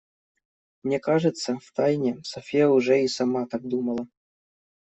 Мне кажется, втайне София уже и сама так думала.